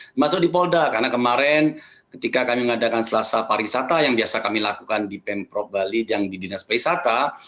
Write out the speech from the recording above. termasuk di polda karena kemarin ketika kami mengadakan selasa pariwisata yang biasa kami lakukan di pemprov bali yang di dinas pariwisata